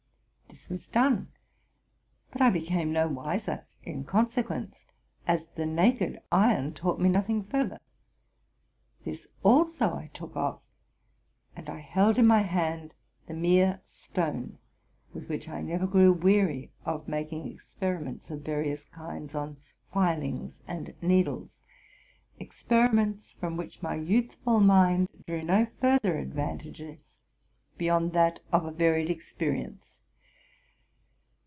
This was done; but I became no wiser in consequence, as the naked iron taught me noth 98 TRUTH AND FICTION ing further. This also I took off; and I held in my hand the mere stone, with which I never grew weary of making experiments of various kinds on filings and needles, — ex periments from which my youthful mind drew no further advantage beyond that of a varied experience.